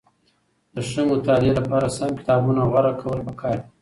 د ښه مطالعې لپاره سم کتابونه غوره کول پکار دي.